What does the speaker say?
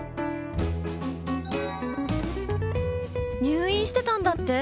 入院してたんだって？